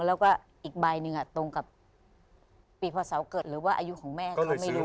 แล้วก็อีกใบหนึ่งตรงกับปีพศเสาเกิดหรือว่าอายุของแม่เขาไม่รู้